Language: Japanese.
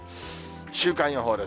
週間予報です。